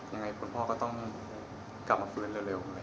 ยังไงคุณพ่อก็ต้องกลับมาฟื้นเร็วอย่างนี้ครับ